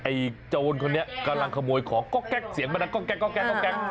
ไอ้โจรคนนี้กำลังขโมยของก็แก๊กเสียงมานะก็แก๊ก